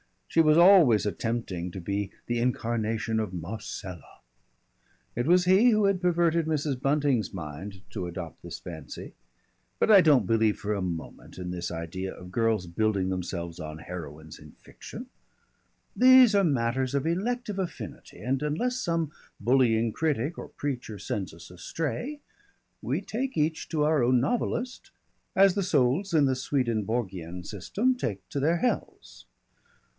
She was always attempting to be the incarnation of Marcella. It was he who had perverted Mrs. Bunting's mind to adopt this fancy. But I don't believe for a moment in this idea of girls building themselves on heroines in fiction. These are matters of elective affinity, and unless some bullying critic or preacher sends us astray, we take each to our own novelist as the souls in the Swedenborgian system take to their hells.